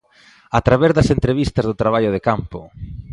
A través das entrevistas do traballo de campo.